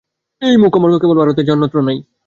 এই মোক্ষমার্গ কেবল ভারতে আছে, অন্যত্র নাই।